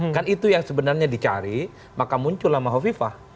kan itu yang sebenarnya dicari maka muncul nama hovifah